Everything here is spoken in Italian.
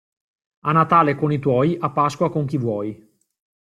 A Natale con i tuoi, a Pasqua con chi vuoi.